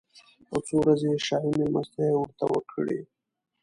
او څو ورځې یې شاهي مېلمستیاوې ورته وکړې.